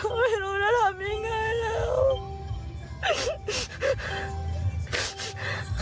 ไม่รู้จะทำยังไงแล้ว